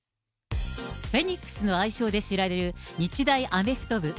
フェニックスの愛称で知られる日大アメフト部。